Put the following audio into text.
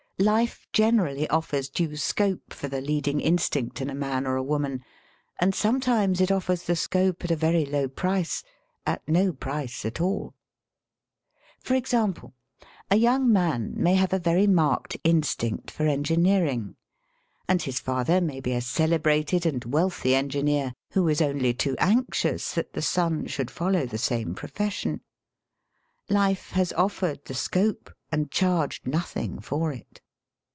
Life generally offers due scope for the leading instinct in a man or a woman ; and sometimes it offers the scope at a very low price, at no price at all. For example, a young man may have a very 16 SELF AND SELF MANAGEMENT marked instinct for engineering, and his father may be a celebrated and wealthy engineer who is only too anxious that the son should follow the same profeBsion. Life has offered the scope and charged nothing for it.